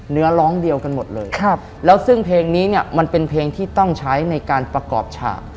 เนื้อร้องเดียวกันหมดเลยครับแล้วซึ่งเพลงนี้เนี่ยมันเป็นเพลงที่ต้องใช้ในการประกอบฉาก